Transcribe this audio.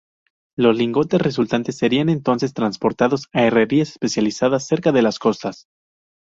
Los lingotes resultantes serían entonces transportados a herrerías especializadas cerca de las costas.